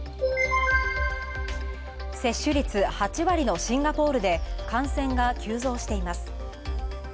接種率８割のシンガポールで感染が急増しています。